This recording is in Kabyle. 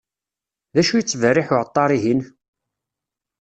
D acu yettberriḥ uεeṭṭar-ihin?